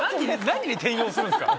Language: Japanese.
何に転用するんですか。